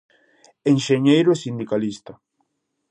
Enxeñeiro e sindicalista.